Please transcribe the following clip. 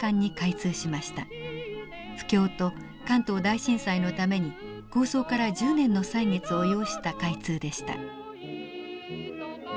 不況と関東大震災のために構想から１０年の歳月を要した開通でした。